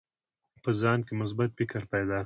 په ځان کې مثبت فکر پیدا کړئ.